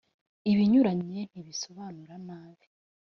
ibinyuranye ntibisobanura nabi.